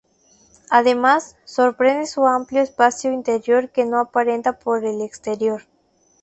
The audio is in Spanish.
Además, sorprende su amplio espacio interior que no aparenta por el exterior.